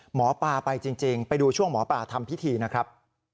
หมอปลาไปจริงไปดูช่วงหมอปลาทำพิธีนะครับ